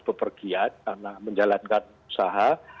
berpergian karena menjalankan usaha